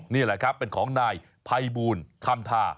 นี่แหละครับเป็นของนายภัยบูลคำทา